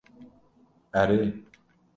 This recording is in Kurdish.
Erê.